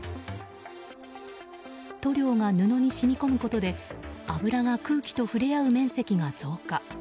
塗料が布に染み込むことで油が空気と触れ合う面積が増加。